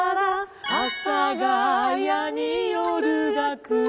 「阿佐ヶ谷に夜がくる」